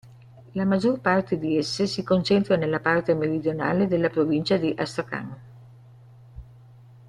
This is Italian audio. La maggior parte di esse si concentra nella parte meridionale della provincia di Astrachan'.